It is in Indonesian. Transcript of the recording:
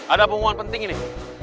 ada permohonan penting ini